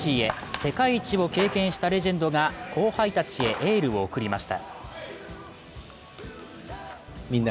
世界一を経験したレジェンドが後輩たちへエールを送りました。